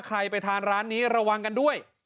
ไปทานร้านนี้ระวังกันด้วย